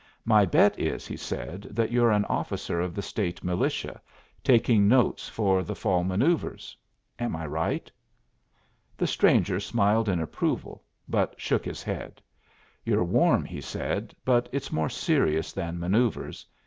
"My bet is," he said, "that you're an officer of the State militia, taking notes for the fall manoeuvres. Am I right?" The stranger smiled in approval, but shook his head. "You're warm," he said, "but it's more serious than manoeuvres.